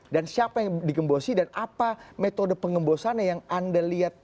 dan siapa yang digembosi dan apa metode pengembosannya yang anda lihat